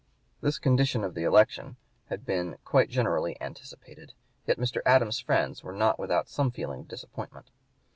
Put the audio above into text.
This condition of the election had been quite generally anticipated; yet Mr. Adams's friends were not without some feeling of disappointment.